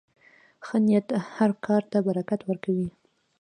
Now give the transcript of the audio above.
ښه نیت هر کار ته برکت ورکوي.